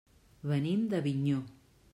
Venim d'Avinyó.